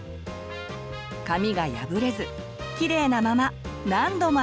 紙が破れずきれいなまま何度も遊べます。